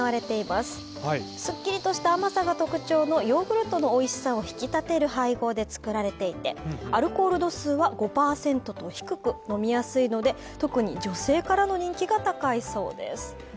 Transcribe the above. すっきりとした甘さが特徴のヨーグルトのおいしさを引き立てる配合で造られていて、アルコール度数は５％と低く飲みやすいので特に女性からの人気が高いそうです。